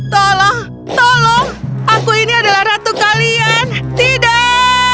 tolong tolong aku ini adalah ratu kalian tidak